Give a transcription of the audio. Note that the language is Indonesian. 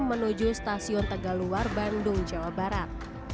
menuju stasiun tegaluar bandung jawa barat